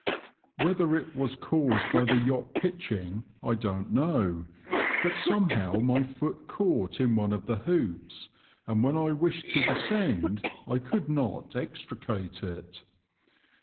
Whether it was caused by the yacht pitching, I don't know, but somehow my foot caught in one of the hoops, and when I wished to descend I could not extricate it.